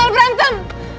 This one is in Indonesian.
frieda jalan berantem